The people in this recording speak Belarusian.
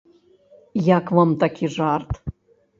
Як вам такі жарт?